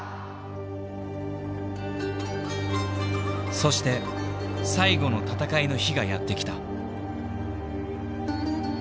そして最後の戦いの日がやって来た。